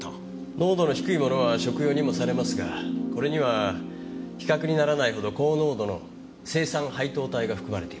濃度の低いものは食用にもされますがこれには比較にならないほど高濃度の青酸配糖体が含まれていました。